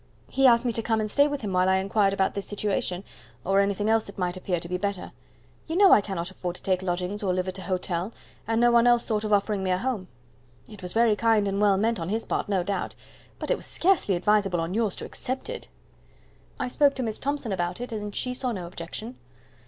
"He asked me to come and stay with him while I inquired about this situation, or anything else that might appear to be better. You know I cannot afford to take lodgings or live at a hotel, and no one else thought of offering me a home." "It was very kind and well meant on his part, no doubt; but it was scarcely advisable on yours to accept it." "I spoke to Miss Thomson about it, and she saw no objection."